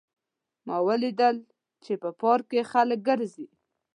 ما ولیدل چې په پارک کې خلک ګرځي